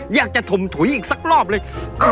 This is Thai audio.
อยากจะถมถุ๋ยอีกสักรอบเลย